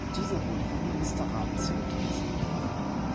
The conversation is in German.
Dieser wurde vom Ministerrat zurückgewiesen.